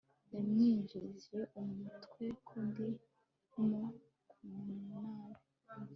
Yamwinjije mumutwe ko ndimo kumunwa nabi